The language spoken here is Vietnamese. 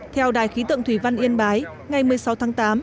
theo đài khí tượng thủy văn yên bái ngày một mươi sáu tháng tám